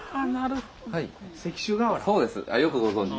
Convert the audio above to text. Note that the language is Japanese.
よくご存じで。